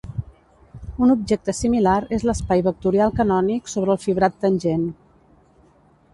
Un objecte similar és l'espai vectorial canònic sobre el fibrat tangent.